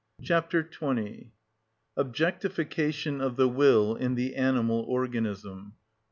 Chapter XX.(34) Objectification Of The Will In The Animal Organism.